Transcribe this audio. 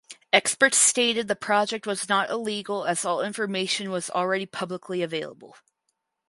Experts stated the project was not illegal as all information was already publicly available.